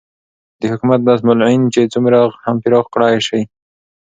دحكومت نصب العين چې څومره هم پراخ كړى سي